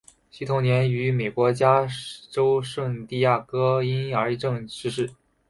惜同年于美国加州圣地牙哥因癌症逝世。